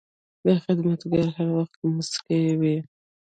دا خدمتګار هر وخت موسکی وي.